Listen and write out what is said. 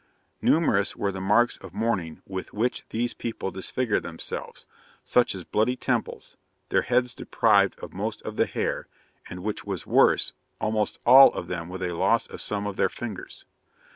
Numerous were the marks of mourning with which these people disfigure themselves, such as bloody temples, their heads deprived of most of the hair, and, which was worse, almost all of them with the loss of some of their fingers.